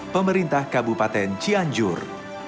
pemerintah kabupaten cianjur